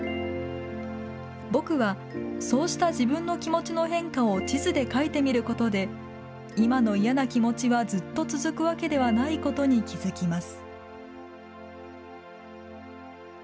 僕はそうした自分の気持ちの変化を地図で描いてみることで今の嫌な気持ちはずっと続くわけではないことに気付きます。